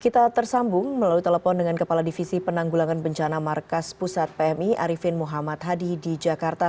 kita tersambung melalui telepon dengan kepala divisi penanggulangan bencana markas pusat pmi arifin muhammad hadi di jakarta